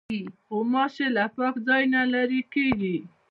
غوماشې له پاک ځای نه لیري کېږي.